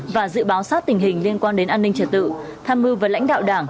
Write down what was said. và dự báo sát tình hình liên quan đến an ninh trật tự tham mưu với lãnh đạo đảng